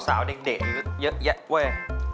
สาวเด็กยันยันเยอะแยะเว้ย